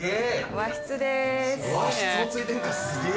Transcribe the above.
和室もついてんだすげぇ。